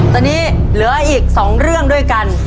ทันนี้เล้ออีกสองเรื่องด้วยกัน